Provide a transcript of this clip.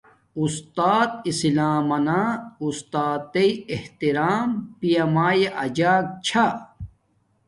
اُستات اسلامنا اُستاتݵ احترام پیامیا اجگ چھا